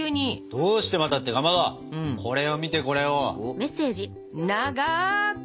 どうしてまたってかまどこれを見てこれを。